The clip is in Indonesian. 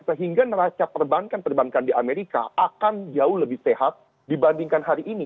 sehingga neraca perbankan perbankan di amerika akan jauh lebih sehat dibandingkan hari ini